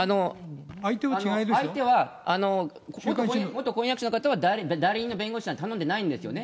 相手は、元婚約者の方は代理人の弁護士は頼んでないんですよね。